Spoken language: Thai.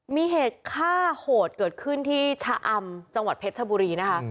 มีเหตุฆ่าโหดเกิดขึ้นที่ชะอำจังหวัดเพชรชบุรีนะคะ